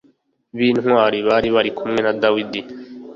b intwari bari bari kumwe na Dawidi